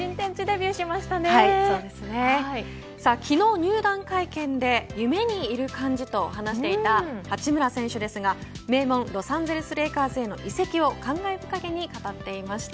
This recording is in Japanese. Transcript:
昨日、入団会見で夢にいる感じと話していた八村選手ですが名門ロサンゼルス・レイカーズへの移籍を感慨深げに語っていました。